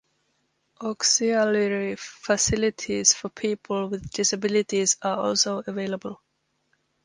Auxiliary facilities for people with disabilities are also available.